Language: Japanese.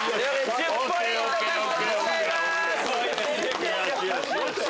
１０ポイント獲得でございます。